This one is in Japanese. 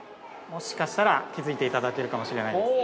◆もしかしたら、気づいていただけるかもしれないです。